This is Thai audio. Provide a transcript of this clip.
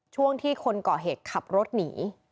ช่วงที่คนก่อเหตุขับรถหนี